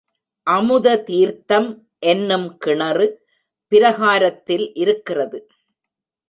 அமுததீர்த்தம் என்னும் கிணறு பிரகாரத்தில் இருக்கிறது.